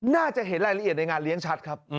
น่าจะเห็นรายละเอียดในงานเลี้ยงชัดครับ